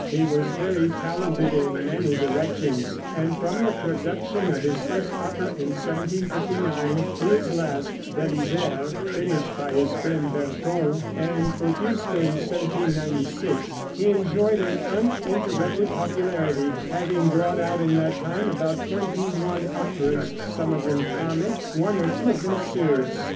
He was very talented in many directions, and from the production of his first opera in 1759, to his last, Bélisaire, finished by his friend Berton, and produced in 1796, he enjoyed an uninterrupted popularity, having brought out in that time about twenty one operas, some of them comic, one or two of them serious.